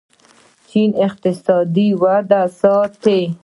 چین اقتصادي وده ساتي.